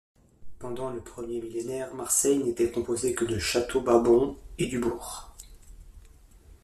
Pendant le premier millénaire, Marseille n'était composée que du Château Babon et du bourg.